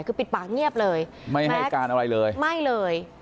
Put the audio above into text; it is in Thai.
คือปิดปากเงียบเลยไม่ให้การอะไรเลยไม่เลย